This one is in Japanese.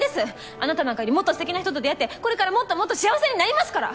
あなたなんかよりもっとすてきな人と出会ってこれからもっともっと幸せになりますから！